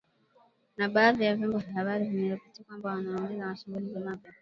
Na baadhi ya vyombo vya habari vimeripoti kwamba anaongoza mashambulizi mapya